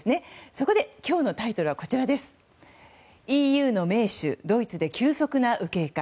そこで、今日のタイトルはこちらＥＵの盟主ドイツで急速な右傾化。